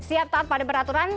siap taat pada peraturan